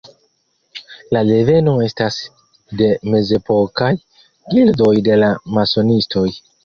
La deveno estas de mezepokaj gildoj de la masonistoj.